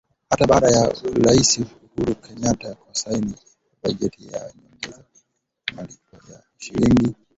Hata baada ya Raisi Uhuru Kenyatta kusaini bajeti ya nyongeza kwa malipo ya shilingi